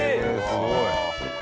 すごい！